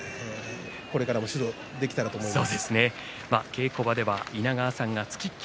これからも指導できたらと思います。